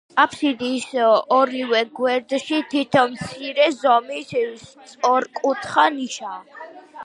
აფსიდის ორივე გვერდში თითო მცირე ზომის სწორკუთხა ნიშაა.